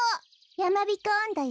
「やまびこおんど」よ。